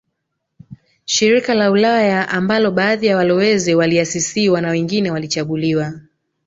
Shirika la Ulaya ambalo baadhi ya walowezi waliasisiwa na wengine walichaguliwa